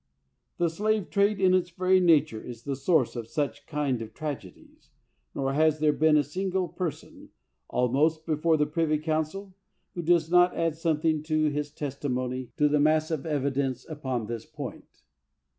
The slave trade, in its very nature, is the source of such kind of tragedies; nor has there been a single person, almost, before the privy council, who does not add something by his testimony to the mass of evidence upon this point.